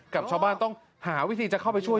กับชาวบ้านต้องหาวิธีจะเข้าไปช่วย